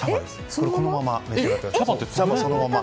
これ、このまま召し上がってください。